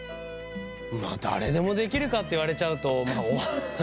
まあ誰でもできるかって言われちゃうとまあハハハ。